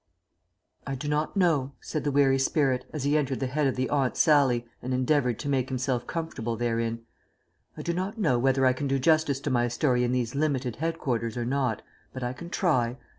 "I DO not know," said the weary spirit, as he entered the head of the Aunt Sallie and endeavoured to make himself comfortable therein, "I do not know whether I can do justice to my story in these limited headquarters or not, but I can try.